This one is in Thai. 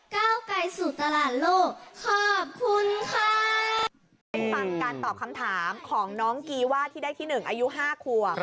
ก้าวไกลสู่ตลาดโลกขอบคุณค่ะไปฟังการตอบคำถามของน้องกีว่าที่ได้ที่หนึ่งอายุห้าขวบ